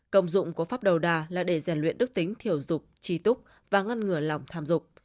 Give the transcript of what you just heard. công dụng có pháp đầu đà là để rèn luyện đức tính thiểu dục trí túc và ngăn ngừa lòng tham dục